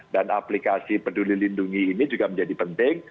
dan aplikasi peduli lindungi ini juga menjadi penting